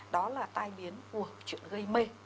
đó là tai biến của chuyện đó